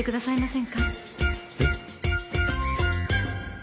えっ？